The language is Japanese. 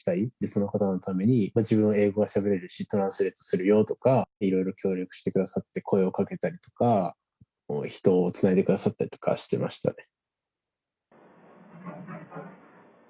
その方々のために、自分は英語をしゃべれるし、トランスレートするよとか、いろいろ協力してくださって声をかけたりとか、人をつないでくださったりとかしてましたね。